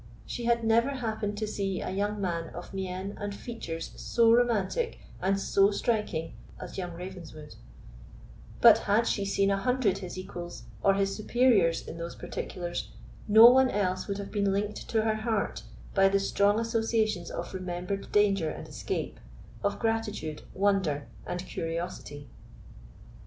She had never happened to see a young man of mien and features so romantic and so striking as young Ravenswood; but had she seen an hundred his equals or his superiors in those particulars, no one else would have been linked to her heart by the strong associations of remembered danger and escape, of gratitude, wonder, and curiosity.